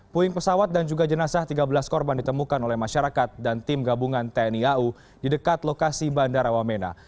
puing pesawat dan juga jenazah tiga belas korban ditemukan oleh masyarakat dan tim gabungan tni au di dekat lokasi bandara wamena